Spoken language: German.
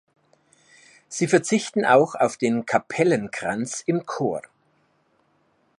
Sie verzichten auch auf den Kapellenkranz im Chor.